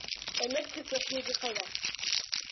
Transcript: Электрик йәшниге ҡайҙа?